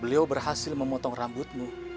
beliau berhasil memotong rambutmu